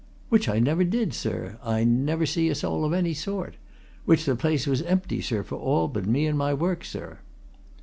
"Which I never did, sir! I never see a soul of any sort. Which the place was empty, sir, for all but me and my work, sir."